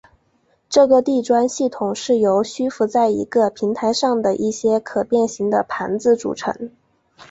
这个地砖系统是由虚浮在一个平台上的一些可变型的盘子组成。